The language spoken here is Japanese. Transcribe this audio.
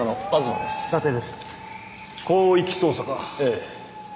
ええ。